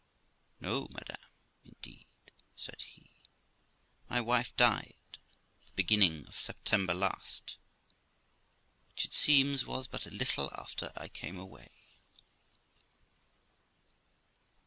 'No, madam, indeed', said he; 'my wife died the beginning of September last', which, it seems, was but a little after I came away.